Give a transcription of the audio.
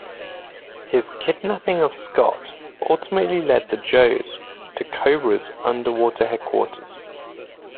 His kidnapping of Scott ultimately led the Joes to Cobra's underwater headquarters.